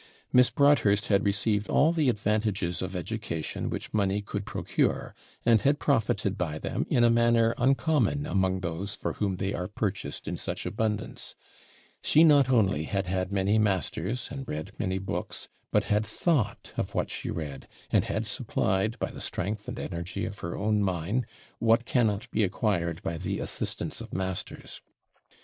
Miss Broadhurst had received all the advantages of education which money could procure, and had profited by them in a manner uncommon among those for whom they are purchased in such abundance; she not only had had many masters, and read many books, but had thought of what she read, and had supplied, by the strength and energy of her own mind, what cannot be acquired by the assistance of masters.